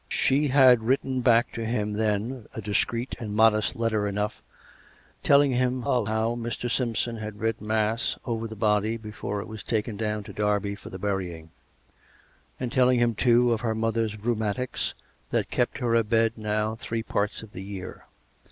She had written back to him then, a discreet and modest letter enough, telling him of how Mr. Simpson had read mass over the body before it was taken down to Derby for the burying; and telling him, too, of her mother's rheumatics that kept her abed now three parts of the year.